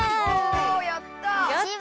おやった！